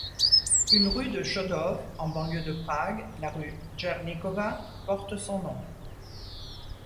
Une rue de Chodov, en banlieue de Prague, la rue Jarníkova, porte son nom.